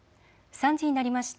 ３時になりました。